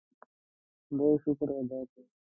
خدای شکر ادا کړ.